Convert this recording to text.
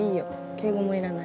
敬語もいらない。